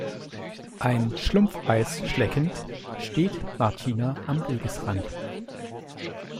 Ein Schlumpfeis schleckend steht Martina am Wegesrand.